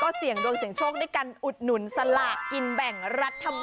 เสี่ยงดวงเสี่ยงโชคด้วยกันอุดหนุนสลากกินแบ่งรัฐบาล